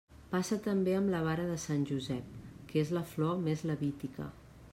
Passa també amb la vara de Sant Josep, que és la flor més levítica.